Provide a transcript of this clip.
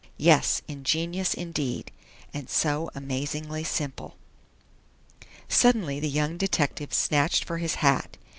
Yes, ingenious indeed! And so amazingly simple Suddenly the young detective snatched for his hat.